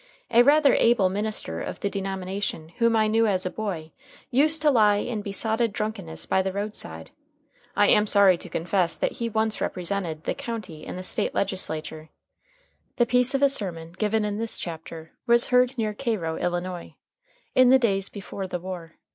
A rather able minister of the denomination whom I knew as a boy used to lie in besotted drunkenness by the roadside. I am sorry to confess that he once represented the county in the State legislature. The piece of a sermon given in this chapter was heard near Cairo, Illinois, in the days before the war.